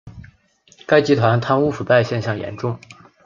该集团贪污腐败现象严重。